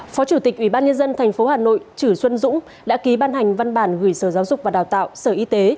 phó chủ tịch ubnd tp hà nội trữ xuân dũng đã ký ban hành văn bản gửi sở giáo dục và đào tạo sở y tế